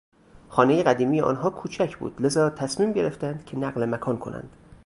خانهی قدیمی آنها کوچک بود لذاتصمیم گرفتند که نقل مکان کنند.